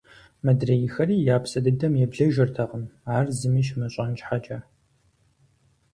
Мыдрейхэри я псэ дыдэм еблэжыртэкъым, ар зыми щымыщӀэн щхьэкӀэ.